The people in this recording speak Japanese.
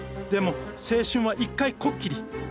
でも青春は一回こっきり。